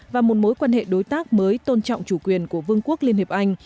và một mối quan hệ đối tác mới tôn trọng chủ quyền của vương quốc liên hiệp anh